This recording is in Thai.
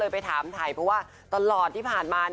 ไปถามถ่ายเพราะว่าตลอดที่ผ่านมา